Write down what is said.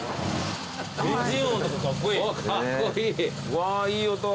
うわいい音。